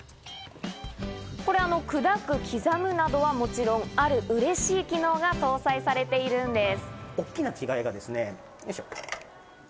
これ砕く、刻むなどはもちろん、ある嬉しい機能が搭載されているんです。